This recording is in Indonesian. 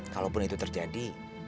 kalaupun itu terjadi